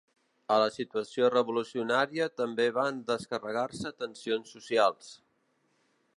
A la situació revolucionària també van descarregar-se tensions socials.